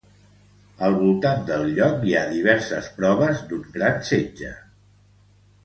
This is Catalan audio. Al voltant del lloc hi ha diverses proves d'un gran setge.